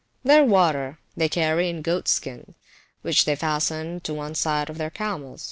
Their water they carry in goats skins, which they fasten to one side of their camels.